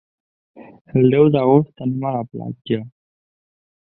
El deu d'agost anem a la platja.